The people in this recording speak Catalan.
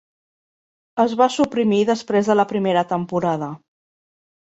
Es va suprimir després de la primera temporada.